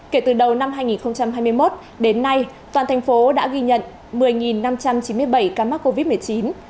kể từ đầu năm hai nghìn hai mươi một đến nay toàn thành phố đã ghi nhận một mươi năm trăm chín mươi bảy ca mắc covid một mươi chín